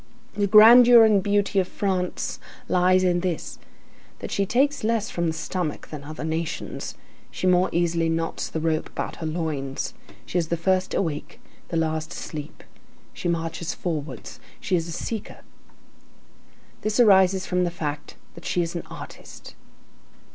The grandeur and beauty of France lies in this, that she takes less from the stomach than other nations: she more easily knots the rope about her loins. She is the first awake, the last asleep. She marches forwards. She is a seeker. This arises from the fact that she is an artist.